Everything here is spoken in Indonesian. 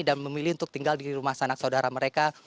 dan memilih untuk tinggal di rumah sanak saudara mereka